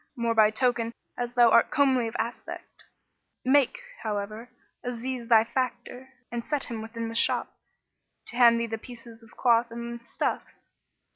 more by token as thou art comely of aspect. Make, however, Aziz thy factor and set him within the shop, to hand thee the pieces of cloth and stuffs."